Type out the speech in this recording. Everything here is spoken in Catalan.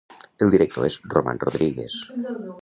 El director és Roman Rodríguez.